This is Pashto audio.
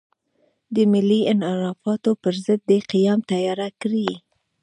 د ملي انحرافاتو پر ضد دې قیام تیاره کړي.